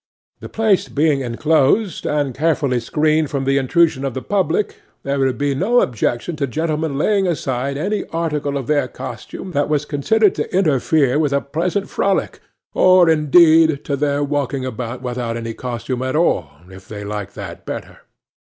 The place being inclosed, and carefully screened from the intrusion of the public, there would be no objection to gentlemen laying aside any article of their costume that was considered to interfere with a pleasant frolic, or, indeed, to their walking about without any costume at all, if they liked that better.